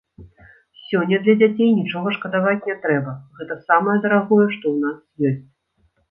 Сёння для дзяцей нічога шкадаваць не трэба, гэта самае дарагое, што ў нас ёсць.